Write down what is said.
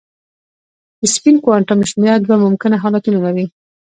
د سپین کوانټم شمېره دوه ممکنه حالتونه لري.